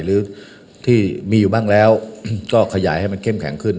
หรือที่มีอยู่บ้างแล้วก็ขยายให้มันเข้มแข็งขึ้น